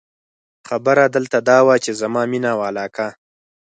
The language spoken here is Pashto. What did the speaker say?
خبره دلته دا وه، چې زما مینه او علاقه.